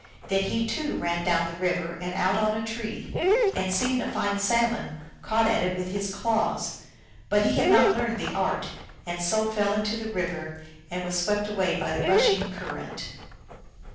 Then he, too, ran down 40 the river and out on a tree, and, seeing a fine salmon, caught at it with his claws. But he had not learned the art, and so fell into the river, and was swept away by the rushing current.